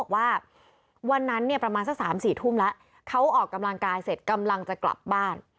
วันนั้นเนี่ยประมาณสัก๓๔ทุ่มแล้วเขาออกกำลังกายเสร็จกำลังจะกลับบ้าน